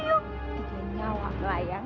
tidak nyawa layang